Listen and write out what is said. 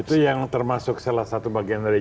itu yang termasuk salah satu bagian dari